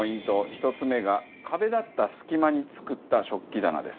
１つ目が壁だった隙間に作った食器棚です。